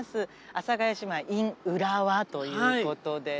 阿佐ヶ谷姉妹ｉｎ浦和という事でね。